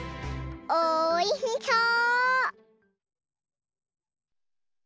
おいしそう！